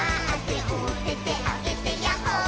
「おててあげてヤッホー」